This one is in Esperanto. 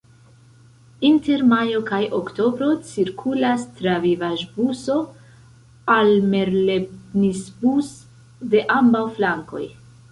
Inter majo kaj oktobro cirkulas travivaĵbuso "Almerlebnisbus" de ambaŭ flankoj.